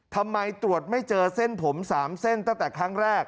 ทำไมตรวจไม่เจอเส้นผม๓เส้นตั้งแต่ครั้งแรก